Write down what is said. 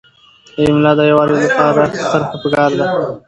د املاء د یووالي لپاره طرحه پکار ده.